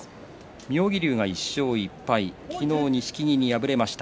妙義龍が１勝１敗、昨日、錦木に敗れました。